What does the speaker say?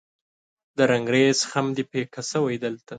د رنګریز خم دې پیکه شوی دلته